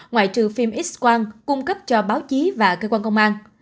ngoại trừ phim x quang cung cấp cho báo chí và cơ quan công an